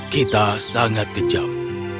kita sangat kejam